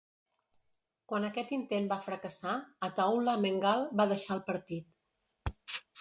Quan aquest intent va fracassar, Ataullah Mengal va deixar el partit.